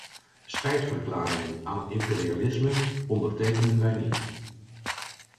Spijtverklaringen aan het imperialisme ondertekenen wij niet.